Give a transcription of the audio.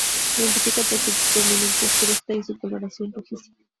Se identifica por su prominente cresta y su coloración rojiza.